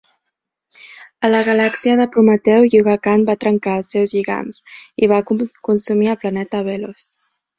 A la galàxia de Prometeu Yuga Khan va trencar els seus lligams, i va consumir el planeta Velos.